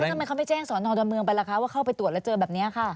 แล้วทำไมเขาไม่แจ้งสวนอเลิศหลวงตลอดเมืองไปไปแล้วนะคะว่าเข้าไปตรวจแล้วเจอแบบเนี้ยค่ะ